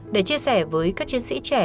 để chia sẻ với các chiến sĩ trẻ